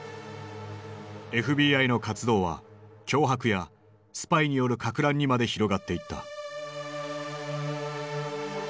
ＦＢＩの活動は脅迫やスパイによるかく乱にまで広がっていった。